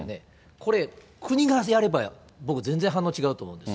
これ、国がやれば、僕は全然反応違うと思うんです。